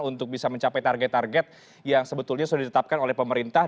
untuk bisa mencapai target target yang sebetulnya sudah ditetapkan oleh pemerintah